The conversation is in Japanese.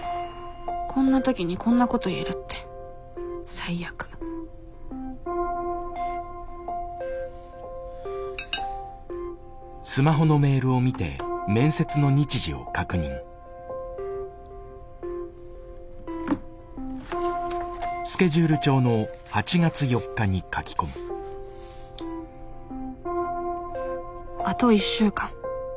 こんな時にこんなこと言えるって最悪あと１週間。